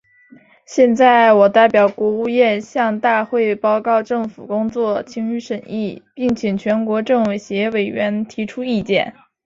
现在，我代表国务院，向大会报告政府工作，请予审议，并请全国政协委员提出意见。